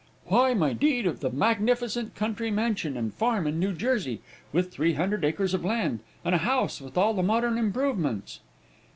"'Why, my deed of the magnificent country mansion and farm in New Jersey, with three hundred acres of land, and a house with all the modern improvements.'